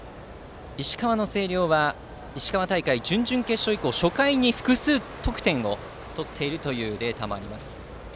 石川の星稜は石川大会、準々決勝以降初回に複数得点を取っているというデータもあります。